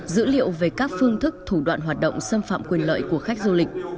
dữ liệu về các phương thức thủ đoạn hoạt động xâm phạm quyền lợi của khách du lịch